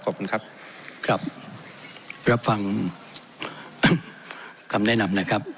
ขอบคุณครับครับรับฟังคำแนะนำนะครับ